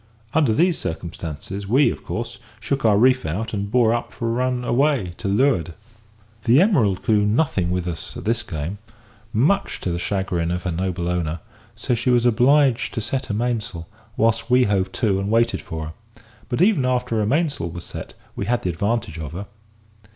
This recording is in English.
Under these circumstances we, of course, shook our reef out and bore up for a run away to leeward. The Emerald could do nothing with us at this game, much to the chagrin of her noble owner; so she was obliged to in trysail and set her mainsail, whilst we hove to and waited for her. But even after her mainsail was set we had the advantage of her.